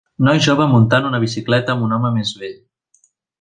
Noi jove muntant una bicicleta amb un home més vell.